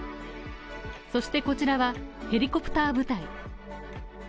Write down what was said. そして、こちらはヘリコプター部隊。